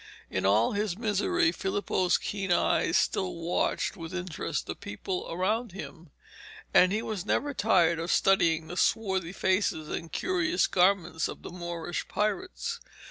In all his misery Filippo's keen eyes still watched with interest the people around him, and he was never tired of studying the swarthy faces and curious garments of the Moorish pirates.